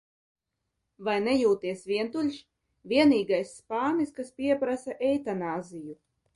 Vai nejūties vientuļš: vienīgais spānis, kas pieprasa eitanāziju?